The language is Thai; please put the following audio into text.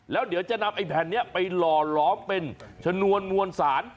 แล้วเดี๋ยวจะนำไอ้แผ่นนี้ไปหล่อล้อมเป็นชนวนมวลสาร